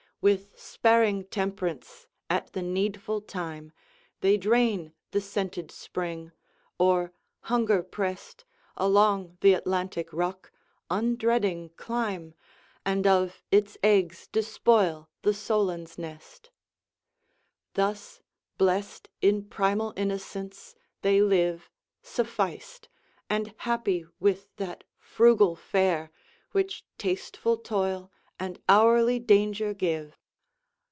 With sparing temperance, at the needful time, They drain the sainted spring, or, hunger pressed, Along th' Atlantic rock undreading climb, And of its eggs despoil the solan's nest. Thus blest in primal innocence they live, Sufficed and happy with that frugal fare Which tasteful toil and hourly danger give.